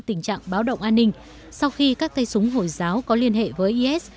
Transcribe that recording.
tình trạng báo động an ninh sau khi các tay súng hồi giáo có liên hệ với is